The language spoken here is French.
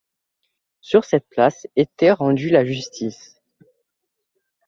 Sur cette place était rendue la justice.